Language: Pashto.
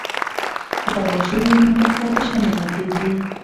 که تباشیر وي نو تخته تشه نه پاتیږي.